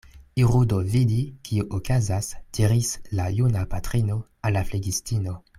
Iru do vidi, kio okazas, diris la juna patrino al la flegistino.